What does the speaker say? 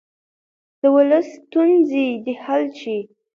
د ولس ستونزې دې حل شي.